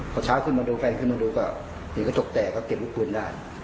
พอเช้าขึ้นมาดูแฟนขึ้นมาดูก็เห็นกระจกแตกก็เก็บลูกปืนได้